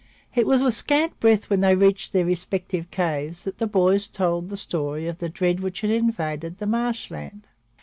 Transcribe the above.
It was with scant breath, when they reached their respective caves, that the boys told the story of the dread which had invaded the marsh land.